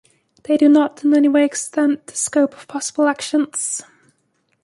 They do not in any way extend the scope of possible actions.